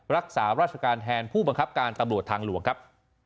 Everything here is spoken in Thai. รักษาราชการแทนผู้บังคับการตำรวจทางหลวงครับ